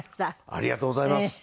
ありがとうございます。